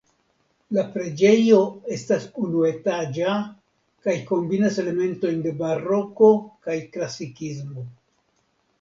La preĝejo estas unuetaĝa kaj kombinas elementojn de baroko kaj klasikismo.